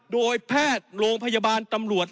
โดยแพทย์โรงพยาบาลตำรวจ